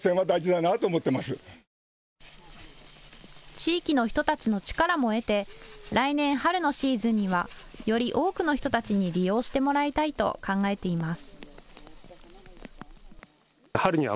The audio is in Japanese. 地域の人たちの力も得て来年春のシーズンにはより多くの人たちに利用してもらいたいと考えています。